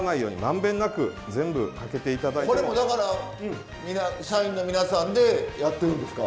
これもだから社員の皆さんでやってるんですか？